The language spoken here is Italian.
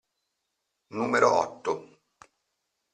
Numero otto.